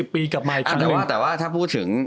๒๐ปีกลับมาอีกครั้งหนึ่ง